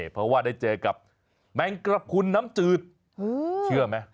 เพราะว่าได้เจอกับแมงกระพุนน้ำจืดเชื่อไหม